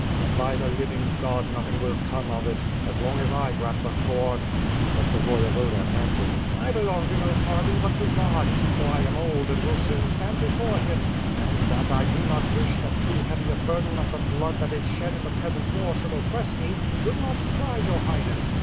But, by the living God, nothing will come of it, as long as 1 grasp a sword." But the Voyevoda answered, "I belong to no party, but to God; for I am old and will soon stand before Him; and that I do not wish that too heavy a burden of the blood that is shed in the peasant war should oppress me, should not sur prise your Highness.